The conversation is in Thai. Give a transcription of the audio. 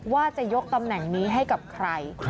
ว่าจะยกตำแหน่งนี้ให้กับใคร